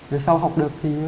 rồi sau học được thì